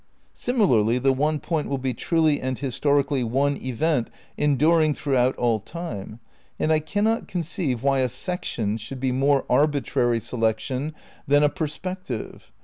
Similarly the one point will be truly and historically one event enduring throughout all Time, and I cannot conceive why a section should be a more "arbitrary" selection than a perspective.